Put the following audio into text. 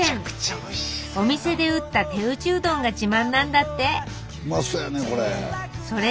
お店で打った手打ちうどんが自慢なんだってうまそうやねこれ。